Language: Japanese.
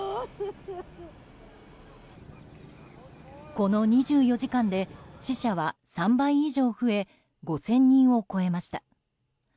この２４時間で死者は３倍以上増え５０００人を超えました。